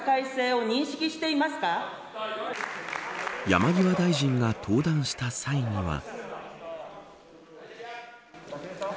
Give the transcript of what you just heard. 山際大臣が登壇した際には。